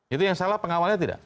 itu yang salah pengawalnya tidak